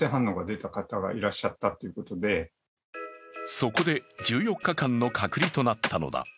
そこで１４日間の隔離となったのだ。